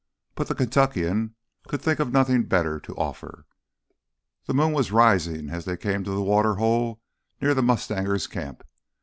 But the Kentuckian could think of nothing better to offer. The moon was rising as they came to the water hole near the mustangers' camp.